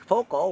phố cổ này